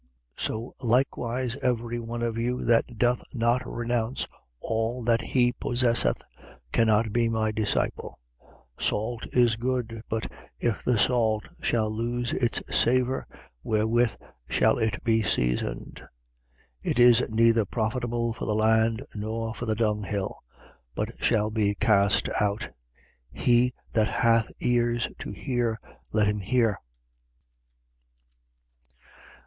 14:33. So likewise every one of you that doth not renounce all that he possesseth cannot be my disciple. 14:34. Salt is good. But if the salt shall lose its savour, wherewith shall it be seasoned? 14:35. It is neither profitable for the land nor for the dunghill: but shall be cast out. He that hath ears to hear, let him hear.